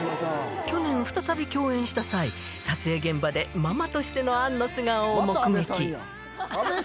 去年、再び共演した際、撮影現場でママとしての杏の素顔を目撃。